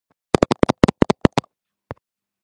ეტა ჯეიმის მრავალი გრემის პრემიის მფლობელია.